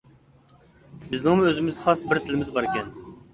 بىزنىڭمۇ ئۆزىمىزگە خاس بىر تىلىمىز باركەن.